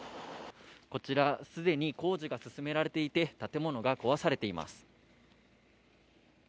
こちら、すでに工事が進められていて、建物が壊されています。